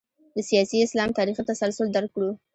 د سیاسي اسلام تاریخي تسلسل درک کړو.